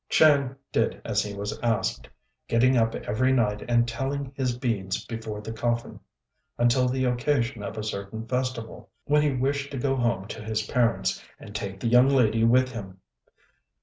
Chang did as he was asked, getting up every night and telling his beads before the coffin, until the occasion of a certain festival, when he wished to go home to his parents, and take the young lady with him.